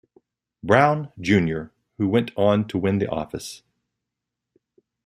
Brown, Junior who went on to win the office.